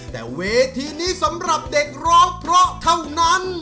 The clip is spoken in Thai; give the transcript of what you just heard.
แต่เวทีนี้สำหรับเด็กร้องเพราะเท่านั้น